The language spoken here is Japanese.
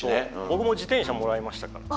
僕も自転車もらいましたから。